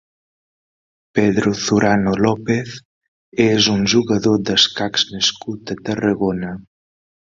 Pedro Zurano López és un jugador d'escacs nascut a Tarragona.